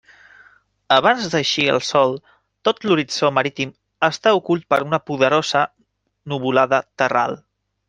Abans d'eixir el sol tot l'horitzó marítim està ocult per una poderosa nuvolada terral.